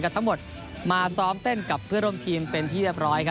ทั้งหมดมาซ้อมเต้นกับเพื่อนร่วมทีมเป็นที่เรียบร้อย